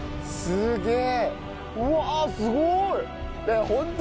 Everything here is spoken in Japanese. すげえ！